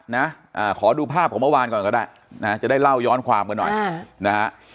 นะอ่าขอดูภาพของเมื่อวานก่อนก็ได้นะฮะจะได้เล่าย้อนความกันหน่อยนะฮะ